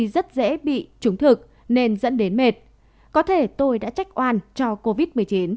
rất dễ bị trúng thực nên dẫn đến mệt có thể tôi đã trách oan cho covid một mươi chín